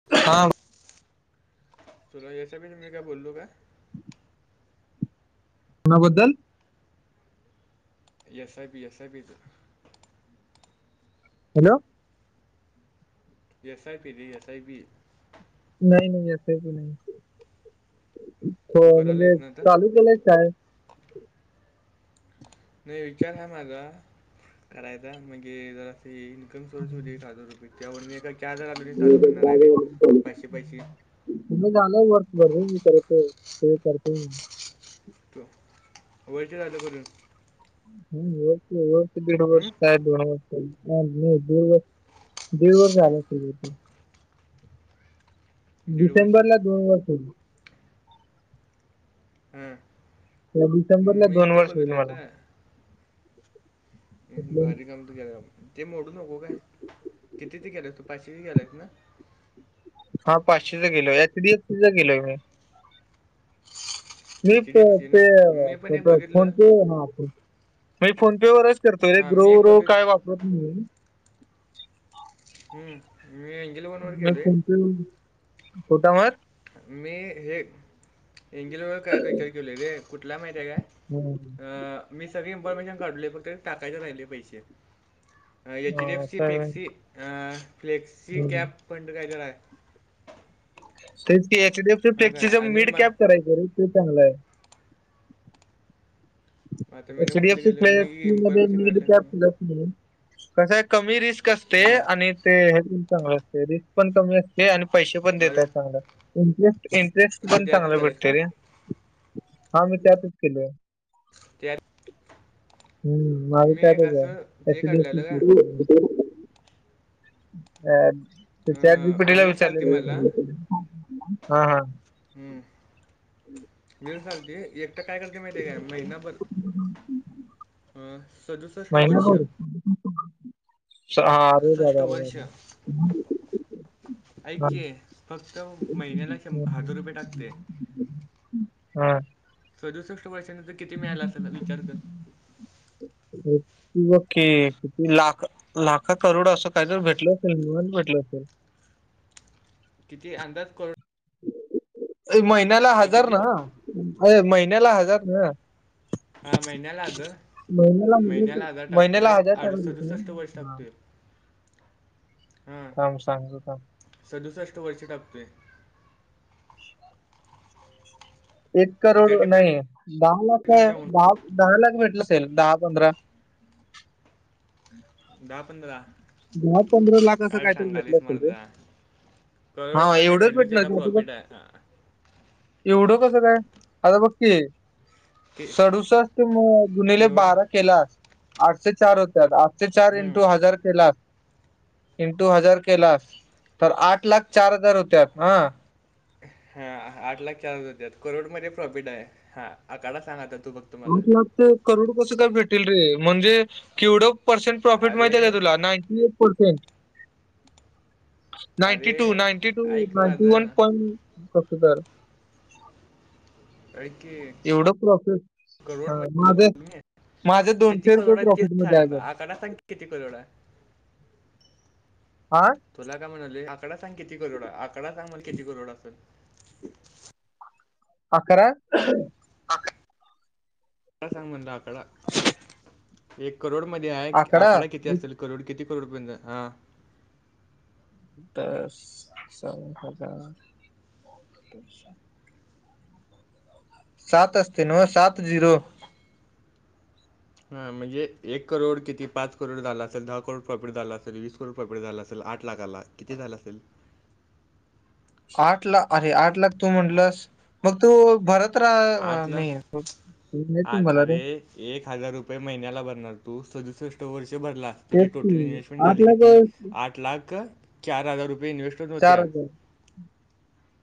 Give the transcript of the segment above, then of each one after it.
[unintelligible] तुला S I P च मी काय बोललो का? कुणाबद्दल? एस आय पी, एसआयपी च हॅलो. एसआयपी रे एसआयपी नाही नाही एस आय पी नाही. तू हो म्हणजे करायलायस ना तर चालू केलंय की काय? नाही. विचार हा माझा करायचा म्हणजे, जरा अस इन्कम सोर्स होते एक हजार रुपये त्यामुळे मी एका चार जणांमध्ये चालू करणार आहे रे, पाचशे पाचशे. मग झाला वर्ष भर मी करतोय, ते करते. वर्ष झालं करून. हं वर्ष, वर्ष दीड वर्ष हं? काय? दोन वर्ष मी दीड वर्ष, दीड वर्ष झालं असतील. [inaudible] वर्ष डिसेंबर ला दोन वर्ष होईल. हा, या डिसेंबरला मी दोन ते वर्ष होईल बघितलो का? मला भारी काम तू केलंय. ते मोडू नको काय, कितीच केलाय तू? पाचशेची केलायस ना. हा पाचशेच केलं. एच डी एफ सी च केलय मी. मी एच डी ते एफ सी पे ना मी पण एक बघितलो फोन पे हा फोन पे. मी फोन पे वरच करतोय रे, हां ग्रो मी एक वगैरे बघित काय वापरत नाही. हं. मी एंजल वन वर केलय. हं कुठवर. मी हे एंजल वन वर करायचं विचार केलोय रे. कुठल माहिती आहे काय? मग अं, मी सगळी इन्फॉर्मेशन काढलोय फक्त टाकायच राहिलय पैसे. एच अ, डी एफ सी काय फ्लेक्सी, अं फ्लेक्सी हं. कॅप फंड काय तर हाय. तेच की एचडीएफसी हा च काय टच आणि मिड मा कॅप करायचं रे ते चांगलं हाय. आता मी ना कुठले एचडीएफसी गेलो मी फ्लेक्स मध्ये इन्फॉर्मेशन नीड काढले का कॅप मग फ्लेक्स हं, कसं आहे कमी रिस्क असते. हां आणि ते हे पण चांगलं असते रे पण कमी असते आणि पैसे पण माझं देतायत चांगल इंटरेस्ट, इंटरेस्ट तू पण त्यातच चांगलं गेलास का भेटते रे हा मी त्यातच केलोय. त्यात हं माझं मी एक त्यातच हाय. असं ते एचडीएफसी काढलेलं का फ्लेक्स ह्याच्या आधी पिढीला रील्स आलती मला विचारलेलं. हां हां. हं मिरज सांगते एक आता काय करते माहिती आहे काय? महिनाभर अं सदुसष्ट वर्ष महिनाभर सारे सदुसष्ट दादा रे [inaudible] ऐक की, फक्त महिन्याला शंभ हं, हजार हं. रुपये टाकतय. हां. सदुसष्ट वर्षाानंतर किती मिळालं असल विचार कर? व ओके किती लाख? लाखो करोड असं काहीतरी भेटलं असेल, निवांत भेटलं असेल. किती? अंदाज कर ये महिन्याला हजार किती ना? करो- होय महिन्याला हजार ना हा महिन्याला हजार. म्हणजे महिन्याला हजार महिन्याला टाकतोय, हजार आड टाकत होते सदुसष्ट वर्ष ना हा, टाकतोय. हां थांब, सांगतो थांब. सदुसष्ट वर्ष टाकतोय. एक करोड तुझ्या नाही, डिप्लॉटून दहा लाख, टाकून दहा.. दहा लाख भेटलं असेल दहा, पंधरा दहा पंधरा दहा, पंधरा लाख असं काय कायतरी भेटलं सांगालीस असंल रे. मर्दा हा करोडमध्ये एवढंच व्हॅल्यू, भेटणार त्याला की आता बघ प्रॉफिट आहे. एवढं कसं काय? आता बघ की ते सडूसष्ट ने गुनीले एवढं बारा केलास, आठशे चार होतात. ते चार हम्म. इंटू हजार केला इंटू हजार केलास, तर आठ लाख चार हजार होत्यात. हा. हा, आठ लाख चार हजार होतात. करोडमध्ये प्रॉफिट आहे, हा आकडा सांग आता तू बघ आठ लाखचं करोड कसं काय भेटेल रे? म्हणजे केवढं? पर्सेंट प्रॉफिट माहित अरे, आहे का तुला, नाईंटी एट पर्सेंट. नाईंटी अरे टू, नाईंटी टू, ऐक नाईंटी वन माझं. पॉइंट तसंतर ऐक की एवढं प्रॉफीट? करोड [unintelligible] किती दोनशे रुपये करोड आहे तेच प्रॉफिट मध्ये सांग आहे आता. बघ आकडा सांग की किती करोड आहे. आ? तुला काय म्हणालोय, आकडा सांग किती करोड आहे, आकडा सांग मला किती करोड असंल? अकरा? आकरा? आकडा सांग म्हणलं आकडा. एक करोड मध्ये आहे, अकरा आकडा किती असल करोड किती करोडपर्यंत हा दस, सौ, हजार. सात असतें नव्ह सात झिरो. हा म्हणजे एक करोड किती पाच करोड झाला असेल, दहा करोड प्रॉफिट झालं असेल, वीस करोड प्रॉफिट झालं असेल आठ लाखाला. किती झालं असेल? आठ ला अरे आठ लाख तू म्हटलंस, मग तू भरत का लाख नाही, आ तु मला अरे दे. एक हजार रुपये महिन्याला भरणार तू, सदुसष्ट वर्ष भरला. तुझी तेच की टोटल इन्हेस्टमेंट आठ झाली किती? लाख आठ लाख चार हजार रुपये इन्व्हेस्ट चार हजार.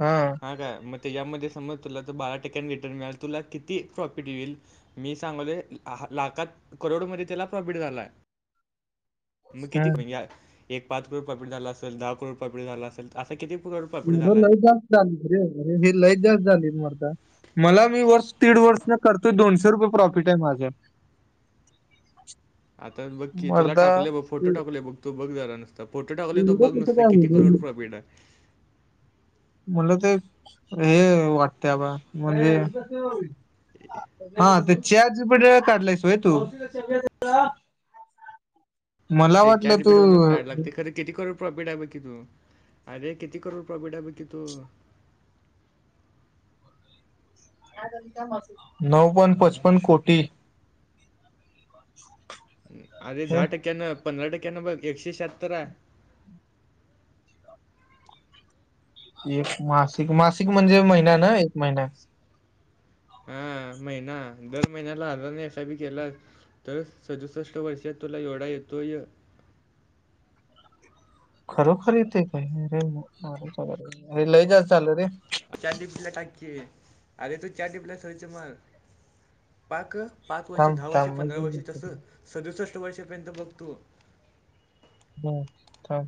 हा. हा काय, मग त्याज्यामध्ये समज तुला तर, बारा टक्क्यांनी रिटर्न मिळाल. तुला किती प्रॉफिट येईल? मी सांगायलोय लाखात, करोड मध्ये त्याला प्रॉफिट झालाय. मग हा कितीक एक पाच करोड प्रॉफिट झाला असेल, दहा करोड प्रॉफिट झाला असेल. अस किती? [unintelligible] लय आहे जास्त झाली की रे! हे लय जास्त झाली मर्दा. मला मी वर्ष, दीड वर्ष करतोय. दोनशे रुपये प्रॉफिट आहे माझं. आता बघ की, तुला मर्दा टाकलोय बघ, फोटो एव- टाकलोय बघ, तू बघ जरा नुसत. फोटो टाकलोय तो बघ एवढं कुठं नुसता, काय किती होईल करोड प्रॉफिट आहे. मला ते हे वाटतयं अबा, म्हणजे [unintelligible] हा, ते चाट जीपीटी वर काढलंयस व्हय तू? मला ते वाटलं तू काढायला लागते. खरं किती करोड प्रॉफिट आहे बघ की तू. अरे किती करोड प्रॉफिट आहे बघ कि तू. नऊ पॉइं पचपन्न कोटी. अरे हे दहा टक्क्यानं पंधरा टक्क्यानं बघ एकशे शहत्तर आहे. एक मासिक मासिक म्हणजे महिना ना एक महिन. हां, महिना दर महिन्याला आज [unintelligible] नाही एस आय पी केला तर सदुसष्ट वर्षात तुला एवढा येतोय. खरं खर ते येतो काय रे लय जास्त चालेू रे. चॅट जीपीटीला टाक की, अरे तू चॅटजीपीटीला सर्च मार पाक. पाच वर्षे, थांब दहा वर्षे, थांब मी पंधरा पण वर्षे, बघतो ते. तसं सदुसष्ट वर्षापर्यंत बघतो. हम काय,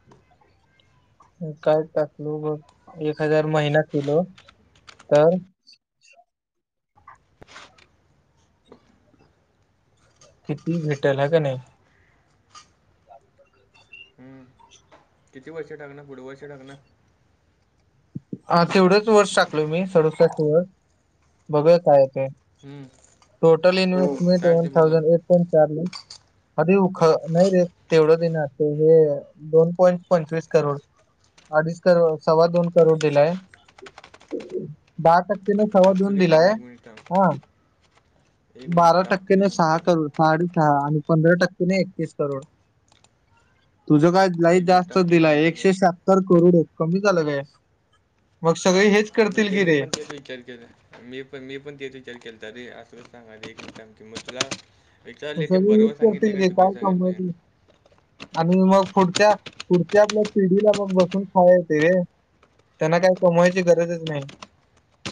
[inaudible] काय टाकलो बघ एक हजार महिना केलो तर. किती भेटल हा का नाही? हम, किती वर्ष टाकणार पुढ वर्ष टाकणार. हा तेवढंच वर्ष टाकलोय मी सदुसस्ट बघूया काय ते? हम्म. टोटल इनवेस्टमेंट टाक ते वन बघ जाऊन. थाउजंड एट प चारली. आधी उ ख नाही रे तेवढं दिणत हे दोन पॉईंट पंचवीस करोड. अडीच करोड सव्वा दोन करोड दिलाय. दहा टक्केने सव्वा टाकतो दोन की थांब दिलाय. एक मिनिट थांब. एक बारा मिनिट टाकतो टक्के की न थांब सहा तुला करोड. साडे सहा आणि पंधरा टक्के नाही एकतीस करोड तुझ काय? एक मिनिट जास्तच टाकतो दिला थांब तुला एकशे शहातर करोड कमी झालं काय मग सगळे हेच. मग करतील ते की मी रे पण ते विचर केलं. मी पण मी पण त्याचा विचार केला तर रे असं सांगा एकां क मग तुला. विचारले ते सगळे बरोबर हेच सांगितले करतील काय की चुकी सांगितले? कमवायचे आणि मग पुढच्या -पुढच्या आपल्या पिढीला मग बसून खाय येत रे. त्यांना काय कमवायची गरजच नाही.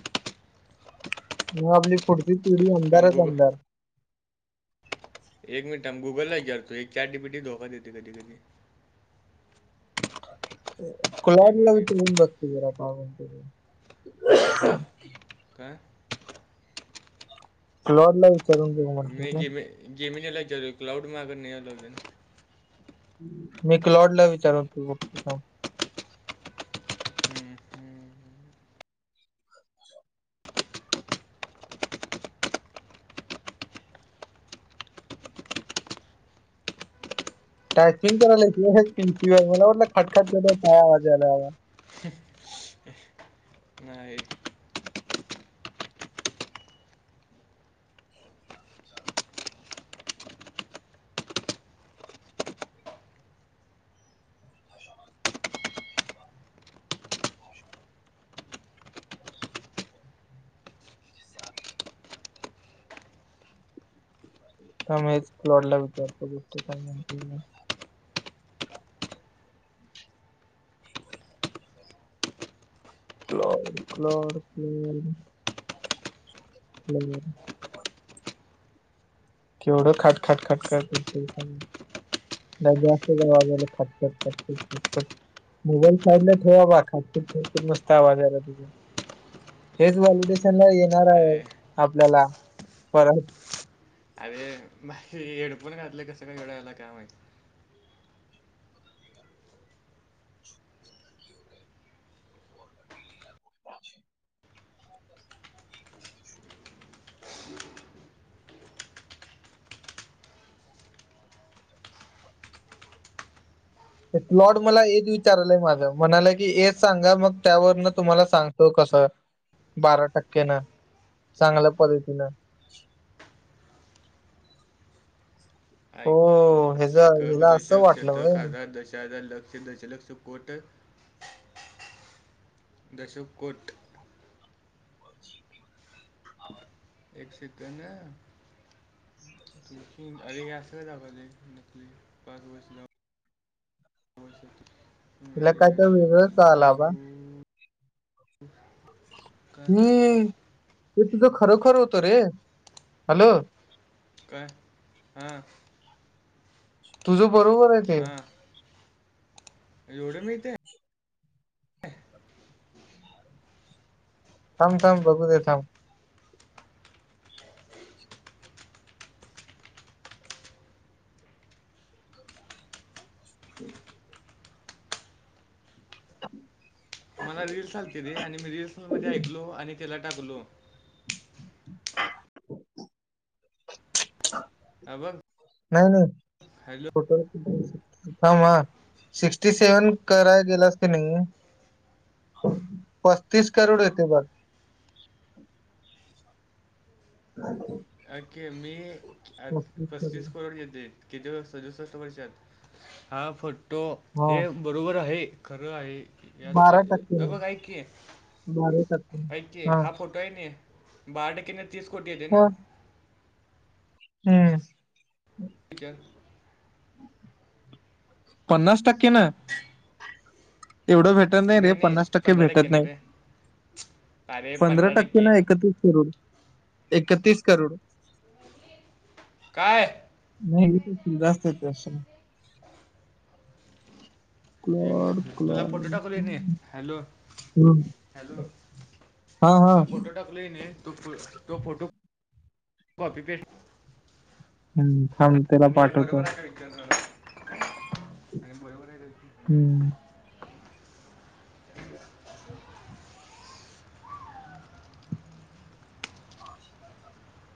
[inaudible] मग आपली पुढची पिढी थांब अंधारच गुगल -अंधार. एक मिनिट थांब गुगललाच करतो एक चार्ट जी पी टी धोका देत कधी -कधी. एक कलारला वि मिनिट तघन बघतरा काग. काय, लोड लाग. मी गेम गेमलाच्याल कलाउड मग नाहीन. मी क्लॉड ला विचार आलतो तो बघतो थांब हम्म हम्म, टायपिंग करायला पी ववर मला वाटलं खटखट काय वाजाला? नाही थांब मीच क्लाऊड ला विचारतो गोष्ट आहे ती काय. [inaudible] क्लाऊड क्लाऊड के. हम्म [inaudible] केवढं खट खट खट खटत. दीत वाला ख ख ख ख ख, मोबाईल साला ठेवा खासप खपूप मस्त आवाजायला तुझा. हेच व्हॅलिडेशन ला येणार आहे अरे आपल्याला परत. ह [inaudible] माझे हेडफोन घातले का? कसे काय गळाले? काय माहित. अच्छा [inaudible] [inaudible] लॉर्ड मला हेच विचारलंय माझं म्हणालं, की हेच सांगा मग त्यावरन तुम्हाला सांगतो कसं? बारा टक्केन [inaudible] चांगल्या क्वालीटीन हो ऐक ह्याचं एकक, हिला असं दशक, वाटलं व्हय शतक, हजार, दशहजार, लक्ष, दशलक्ष, कोट दश कोट [inaudible] एक सीट ना अरे असे लावाले [inaudible] न पा हो [inaudible] तिला काय तर वेगळं कळाला बा [unintelligible] काय हम्म ते तुझं खरोखर होत रे हॅलो. हा तुझं बरोबर आहे. ते एवढ्या! मीरच्या थाम थाम बघू दे? थाम हम् [inaudible] मला रील्स आलते रे आणि मी रील्स मध्ये ऐकलो आणि त्याला टाकलो. हा बघ नाही नाही हॅलो [inaudible] फोट हां म सिक्स्टी सेव्हन कराय गेलास की नाही? पस्तीस कारोड येत बघ [inaudible] ओके मी आज पस्तीस करोड केलते. किती वे सदुसष्ट वर्षात हा फोटो हा हे बरोबर आहे. खरं आहे. यात काय बारा टक्के अ ना बघ ऐक की [inaudible] बारा टक्के ऐक की हा फोटो आहे ना बारा टक्केने तीस कोटी येते हा, ना? हम्म च्या [inaudible] [inaudible] पन्नास टक्के ना एवढं भेट नाही रे पन्नास टक्के भेटत नाही. पंधरा टक्के ना एकतीस करोड एकतीस करोड काय? नाहीथ जास्त ते अस [unintelligible] मिनिट तुला क्लाॅड फोटो टाकलोय ने. क्लाॅड हॅलो? ह हॅलो? [inaudible] हा हा तुला फोटो टाकले ईने तो फोटो काॅपी पेस्ट हम्म सांत [inaudible] आणि हे बरोबर आहे का? विचारजरा आणि बरोबर आहे का? हम्म [inaudible]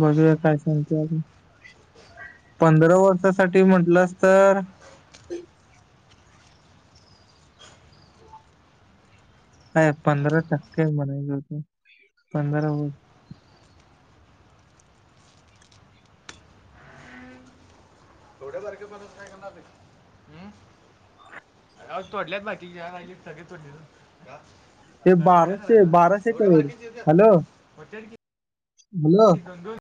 बघूया काय सांगते आजून, पंधरा वर्षांसाठी म्हंटलंस, तर आहे पंधरा टक्के, म्हणायल होत पंधरा व एवढ्या [unintelligible] काय करणार नहीं, अंम राव तोडल्यात बाकीच्या, [unintelligible] ते काय वड्या बाराशे करायला, बाराशे एवढ्या करोड बारक्या चिरत्यात, [unintelligible] बुलो